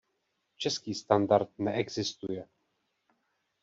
Český standard neexistuje.